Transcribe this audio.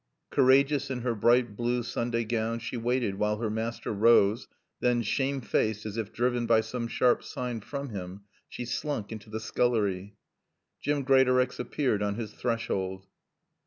Courageous in her bright blue Sunday gown, she waited while her master rose, then, shame faced as if driven by some sharp sign from him, she slunk into the scullery. Jim Greatorex appeared on his threshold.